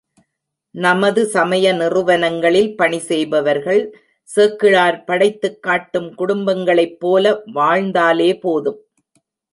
நமது சமய நிறுவனங்களில் பணி செய்பவர்கள், சேக்கிழார் படைத்துக் காட்டும் குடும்பங்களைப்போல வாழ்ந்தாலே போதும்.